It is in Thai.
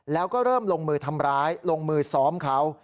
แล้วก็เริ่มลงมือทำร้ายลงมือซ้อมเขา